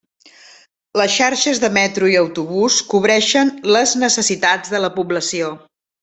Les xarxes de metro i autobús cobreixen les necessitats de la població.